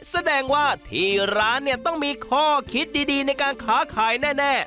แสดงว่าที่ร้านเนี่ยต้องมีข้อคิดดีในการค้าขายแน่